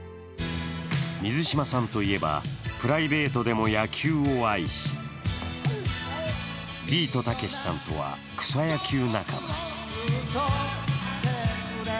水島さんといえばプライベートでも野球を愛し、ビートたけしさんとは草野球仲間。